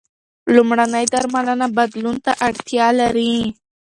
لومړنۍ درملنه بدلون ته اړتیا لري.